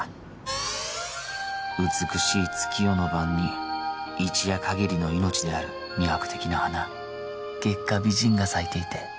美しい月夜の晩に一夜限りの命である魅惑的な花月下美人が咲いていて